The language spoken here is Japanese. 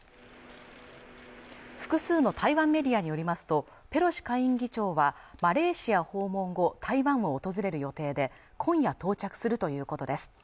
複数の台湾メディアによりますとペロシ下院議長はマレーシア訪問後台湾を訪れる予定で今夜到着するということです